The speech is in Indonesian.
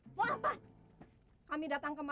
jangan berasa sesudah institusi tidak dekres